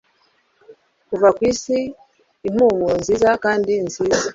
kuva kwisi impumuro nziza kandi nziza